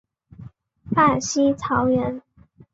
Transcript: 范希朝人。